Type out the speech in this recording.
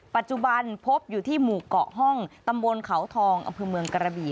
ปัจจุบันพบอยู่ที่หมู่เกาะห้องตำบลเขาทองอำเภอเมืองกระบี่